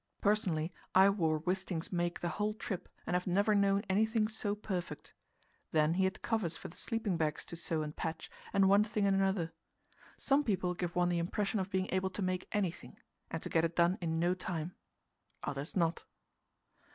Personally, I wore Wisting's make the whole trip, and have never known anything so perfect. Then he had covers for the sleeping bags to sew and patch, and one thing and another. Some people give one the impression of being able to make anything, and to get it done in no time others not.